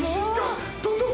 どんどん。